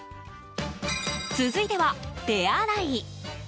続いては手洗い。